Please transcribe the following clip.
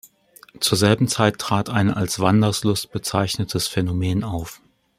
Zur selben Zeit trat ein als „Wanderlust“ bezeichnetes Phänomen auf.